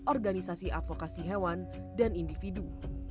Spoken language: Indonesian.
organisasi advokasi hewan dan individu